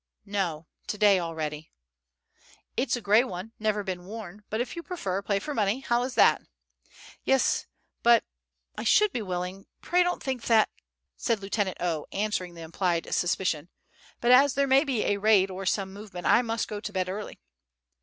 "No, to day already" ... "It's a gray one, never been worn; but if you prefer, play for money. How is that?" "Yes, but ... I should be willing pray don't think that" ... said Lieutenant O., answering the implied suspicion; "but as there may be a raid or some movement, I must go to bed early."